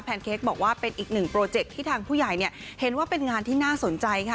เค้กบอกว่าเป็นอีกหนึ่งโปรเจคที่ทางผู้ใหญ่เนี่ยเห็นว่าเป็นงานที่น่าสนใจค่ะ